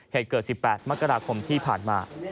เหตุเกิด๑๘มกราคมที่ผ่านมา